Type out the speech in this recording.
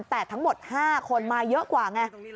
แต่ทั้งหมด๕คนมาเยอะกว่าไง